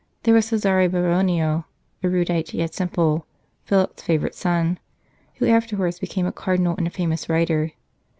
There was Cesare Baronio, erudite yet simple, Philip s favourite son, who afterwards became a Cardinal and a famous writer.